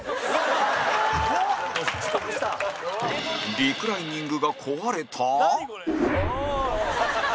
リクライニングが壊れた？